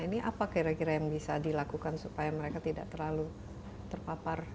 ini apa kira kira yang bisa dilakukan supaya mereka tidak terlalu terpapar